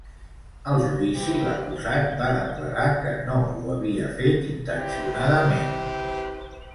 Al judici, l'acusat va declarar que no ho havia fet intencionadament.